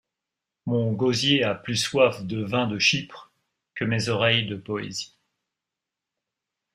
Mon gosier a plus soif de vin de Chypre que mes oreilles de poésie.